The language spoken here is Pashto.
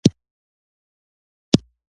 له انګریزانو یې د مرستې غوښتنه کړې ده.